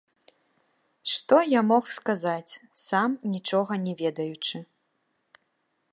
Што я мог сказаць, сам нічога не ведаючы.